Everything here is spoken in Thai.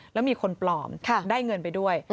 แล้วมีคนปลอมได้เงินไปด้วย